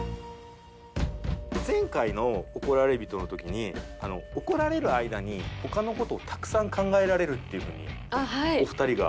前回の「怒られびと」の時に怒られる間に他の事をたくさん考えられるっていうふうにお二人が。